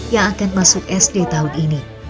yang akan masuk sd tahun ini